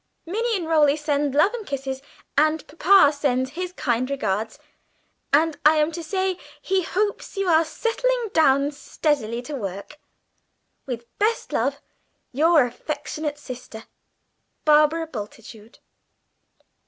Minnie and Roly send love and kisses, and papa sends his kind regards, and I am to say he hopes you are settling down steadily to work. "With best love, your affectionate sister, "BARBARA BULTITUDE."